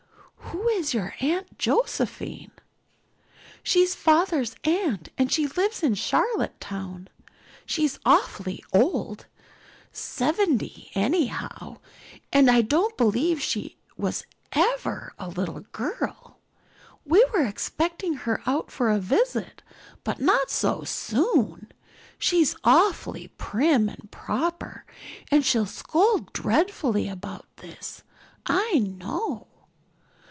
"Who is your Aunt Josephine?" "She's father's aunt and she lives in Charlottetown. She's awfully old seventy anyhow and I don't believe she was ever a little girl. We were expecting her out for a visit, but not so soon. She's awfully prim and proper and she'll scold dreadfully about this, I know.